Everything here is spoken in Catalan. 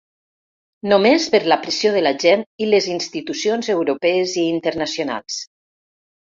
Només per la pressió de la gent, i les institucions europees i internacionals.